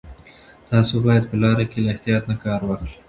تاسو باید په لاره کې له احتیاط نه کار واخلئ.